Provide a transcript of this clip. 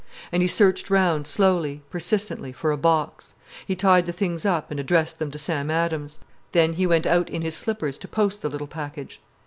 And he searched round slowly, persistently, for a box. He tied the things up and addressed them to Sam Adams. Then he went out in his slippers to post the little package.